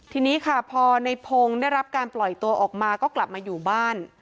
ทีนี้ค่ะพอในพงศ์ได้รับการปล่อยตัวออกมาก็กลับมาอยู่บ้าน